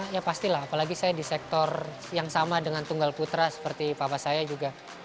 ya pastilah apalagi saya di sektor yang sama dengan tunggal putra seperti papa saya juga